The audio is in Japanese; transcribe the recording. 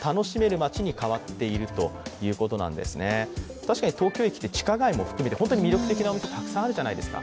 確かに東京駅って地下街も含めて本当に魅力的なお店、たくさんあるじゃないですか。